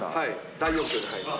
大浴場に入ります。